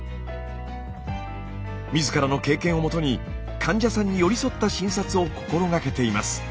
自らの経験をもとに患者さんに寄り添った診察を心がけています。